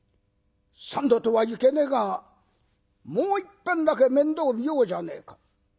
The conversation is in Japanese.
三度とはいけねえが『もういっぺんだけ面倒見ようじゃねえか』。